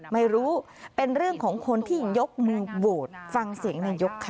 ไม่รู้เป็นเรื่องของคนที่ยกมือโหวตฟังเสียงนายกค่ะ